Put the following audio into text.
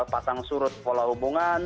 patang surut pola hubungan